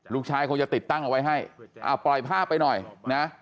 ลูกชายคงจะติดตั้งเอาไว้ให้อ่ะปล่อยผ้าไปหน่อยนะ